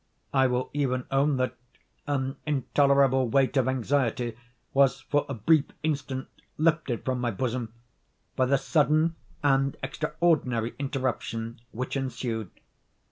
I will even own that an intolerable weight of anxiety was for a brief instant lifted from my bosom by the sudden and extraordinary interruption which ensued.